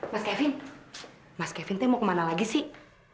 mas kevin mas kevin dia mau kemana lagi sih